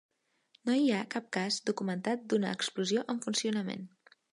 No hi ha cap cas documentat d'una explosió en funcionament.